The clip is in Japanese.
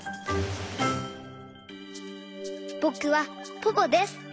ぼくはポポです。